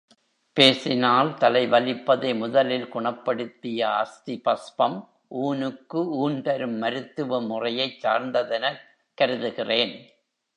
பேசினால் தலைவலிப்பதை முதலில் குணப்படுத்திய அஸ்தி பஸ்பம், ஊனுக்கு ஊன் தரும் மருத்துவ முறையைச் சார்ந்ததெனக் கருதுகிறேன்.